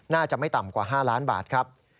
น่าจะไม่ต่ำกว่า๕ล้านบาทครับ